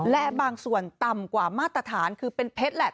และบางส่วนต่ำกว่ามาตรฐานคือเป็นเพชรแหละ